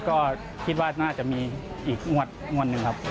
ก็คิดว่าน่าจะมีอีกงวดหนึ่งครับ